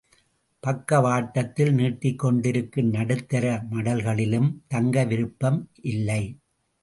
பக்க வாட்டத்தில் நீட்டிக் கொண்டிருக்கும் நடுத்தர மடல்களிலும் தங்க விருப்பம் இல்லை.